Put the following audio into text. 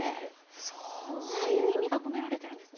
そういう意味が込められてるんですね。